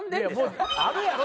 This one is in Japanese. あるやろ？